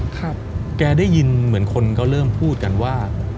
แกได้ยินเหมือนคนเขาเริ่มพูดกันว่า